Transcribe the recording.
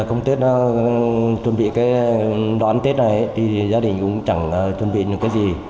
không chuẩn bị đón tết này thì gia đình cũng chẳng chuẩn bị được cái gì